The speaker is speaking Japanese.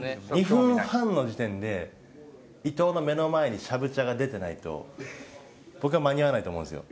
２分半の時点で伊藤の目の前にシャブチャーが出てないと僕は間に合わないと思うんですよ。